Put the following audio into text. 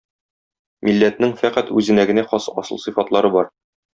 Милләтнең фәкать үзенә генә хас асыл сыйфатлары бар.